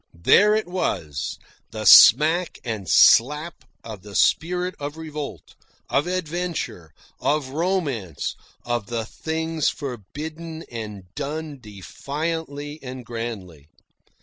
There it was, the smack and slap of the spirit of revolt, of adventure, of romance, of the things forbidden and done defiantly and grandly.